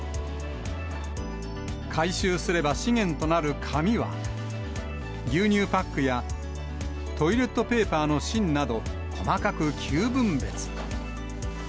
回収すれば資源となる紙は、牛乳パックや、トイレットペーパーの芯など、細かく９分別。